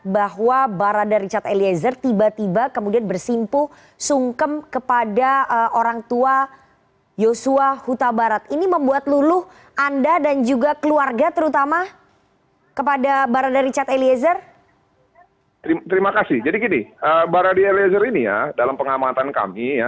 baradie lezer ini ya dalam pengamatan kami ya